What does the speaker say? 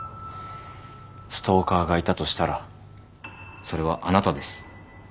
ストーカーがいたとしたらそれはあなたです。